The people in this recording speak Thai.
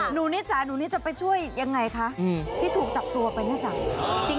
หนูเนี่ยจะไปช่วยยังไงคะที่ถูกจับตัวไปเนี่ยจัง